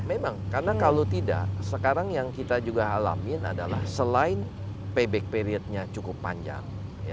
memang karena kalau tidak sekarang yang kita juga alamin adalah selain payback periodnya cukup panjang